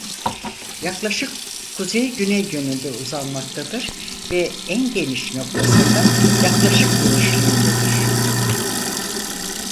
Yaklaşık kuzey-güney yönünde uzanmaktadır ve en geniş noktasında yaklaşık genişliğindedir.